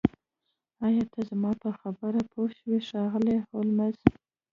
ایا ته زما په خبره پوه شوې ښاغلی هولمز